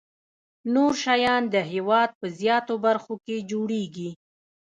نور شیان د هېواد په زیاتو برخو کې جوړیږي.